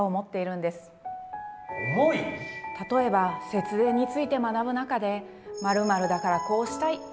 例えば節電について学ぶ中で「〇〇だからこうしたい！」